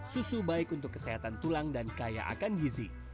susu baik untuk kesehatan tulang dan kaya akan gizi